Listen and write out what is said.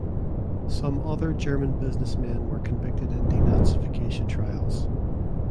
Some other German businessmen were convicted in denazification trials.